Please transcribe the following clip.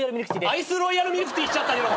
アイスロイヤルミルクティー来ちゃったけど！